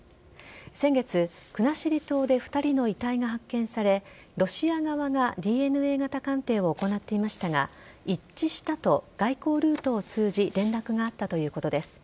先月、国後島で２人の遺体が発見されロシア側がＤＮＡ型鑑定を行っていましたが一致したと外交ルートを通じ連絡があったということです。